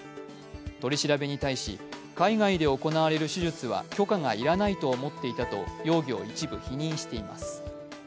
取り調べに対し海外で行われる手術は許可が要らないと思っていたと容疑を一部否認しています。